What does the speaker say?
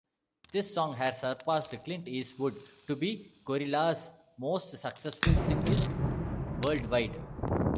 This song has surpassed "Clint Eastwood" to be Gorillaz's most successful single worldwide.